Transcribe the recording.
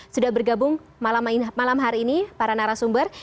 sudah bergabung malam hari ini para narasumber